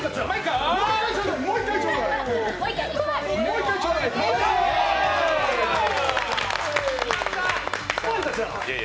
もう一回ちょうだい。